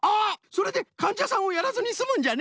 それでかんじゃさんをやらずにすむんじゃね。